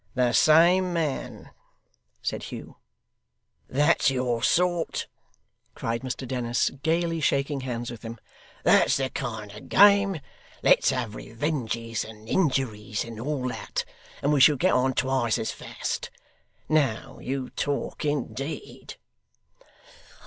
'The same man,' said Hugh. 'That's your sort,' cried Mr Dennis, gaily shaking hands with him, 'that's the kind of game. Let's have revenges and injuries, and all that, and we shall get on twice as fast. Now you talk, indeed!